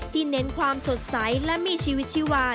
เน้นความสดใสและมีชีวิตชีวา